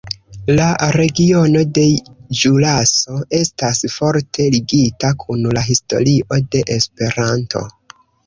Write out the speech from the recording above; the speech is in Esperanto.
La regiono de Ĵuraso estas forte ligita kun la historio de Esperanto.